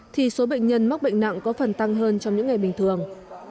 thì số bệnh nhân mắc bệnh nặng có phần tăng hơn trong những ngày bình thường